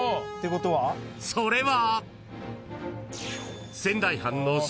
［それは］